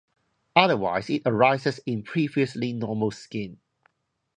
Otherwise it arises in previously normal skin.